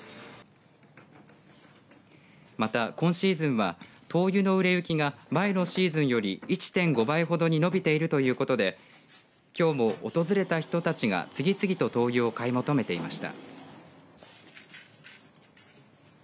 また、今シーズンは灯油の売れ行きが前のシーズンより１．５倍ほどに伸びているということできょうも訪れた人たちが次々と灯油を買い求めていました。